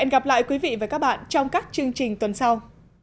hẹn gặp lại quý vị và các bạn trong các chương trình tuần sau